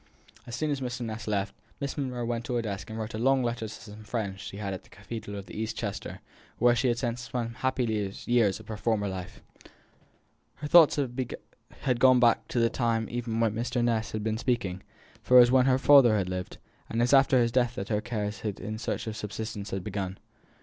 As soon as Mr. Ness had left, Miss Monro went to her desk and wrote a long letter to some friends she had at the cathedral town of East Chester, where she had spent some happy years of her former life. Her thoughts had gone back to this time even while Mr. Ness had been speaking; for it was there her father had lived, and it was after his death that her cares in search of a subsistence had begun.